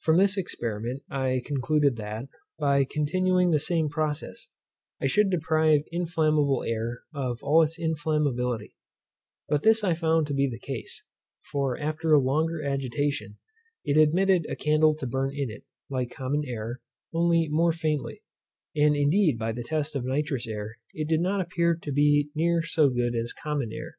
From this experiment I concluded that, by continuing the same process, I should deprive inflammable air of all its inflammability, and this I found to be the case; for, after a longer agitation, it admitted a candle to burn in it, like common air, only more faintly; and indeed by the test of nitrous air it did not appear to be near so good as common air.